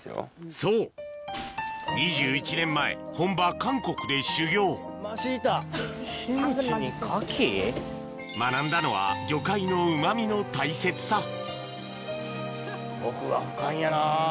そう２１年前本場韓国で修業学んだのは魚介のうま味の大切さ奥が深いんやな。